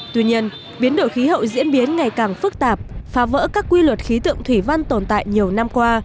tuy nhiên biến đổi khí hậu diễn biến ngày càng phức tạp phá vỡ các quy luật khí tượng thủy văn tồn tại nhiều năm qua